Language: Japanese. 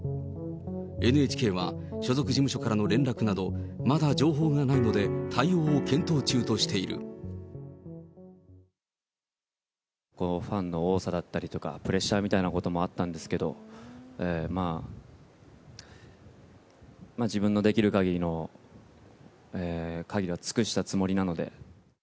ＮＨＫは所属事務所からの連絡など、まだ情報がないので、対応をこのファンの多さだったりとか、プレッシャーみたいなこともあったんですけど、まあ、自分のできるかぎりの、かぎりは尽くしたつもりなので。